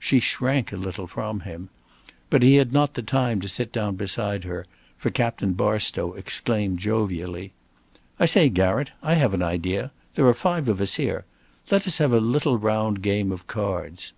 She shrank a little from him. But he had not the time to sit down beside her, for Captain Barstow exclaimed jovially: "I say, Garratt, I have an idea. There are five of us here. Let us have a little round game of cards."